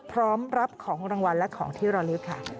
พร้อมรับของรางวัลและของที่ระลึกค่ะ